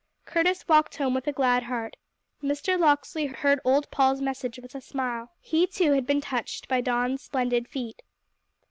Curtis walked home with a glad heart. Mr. Locksley heard old Paul's message with a smile. He, too, had been touched by Don's splendid feat.